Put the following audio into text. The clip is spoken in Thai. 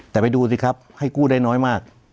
แต่ไปดูสิครับให้กู้ได้น้อยมาก